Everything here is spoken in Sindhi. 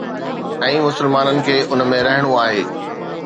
۽ مسلمانن کي ان ۾ رهڻو آهي.